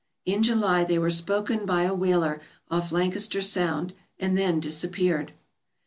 In July they were spoken by a whaler off Lancaster Sound, and then disappeared.